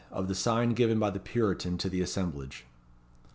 Of the sign given by the Puritan to the Assemblage.